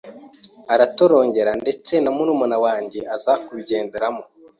aratorongera ndetse na wa murumuna wanjye aza kubigenderamo